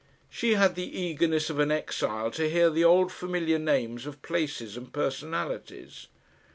She had the eagerness of an exile to hear the old familiar names of places and personalities.